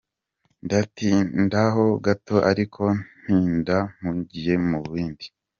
Ndatindaho gato ariko ntinda mpugiye mu bindi.